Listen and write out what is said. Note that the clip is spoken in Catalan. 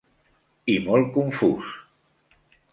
I molt confús.